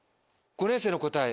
５年生の答え。